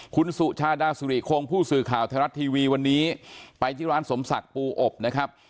คุณสุชาดาสุริคงผู้สื่อข่าวไทยรัฐทีวีวันนี้ไปที่ร้านสมศักดิ์ปูอบนะครับ